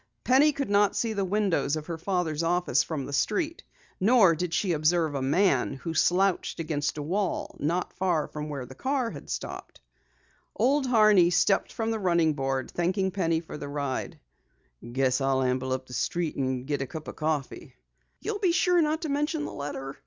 Penny could not see the windows of her father's office from the street. Nor did she observe a man who slouched against a wall, not far from where the car had stopped. Old Horney stepped from the running board, thanking Penny for the ride. "Guess I'll amble up the street and get a cup of coffee." "You'll be sure not to mention the letter?"